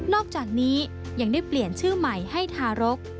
อกจากนี้ยังได้เปลี่ยนชื่อใหม่ให้ทารก